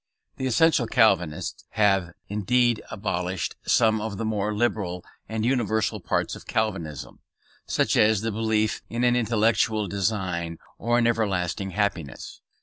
These essential Calvinists have, indeed, abolished some of the more liberal and universal parts of Calvinism, such as the belief in an intellectual design or an everlasting happiness.